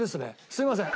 すいません。